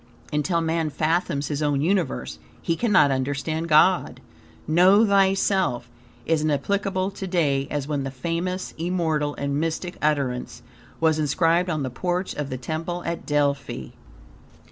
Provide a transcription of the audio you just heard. Until man fathoms his own universe, he cannot understand God. "Know thyself" is as applicable to day as when the famous, immortal and mystic utterance was inscribed on the porch of the temple at Delphi.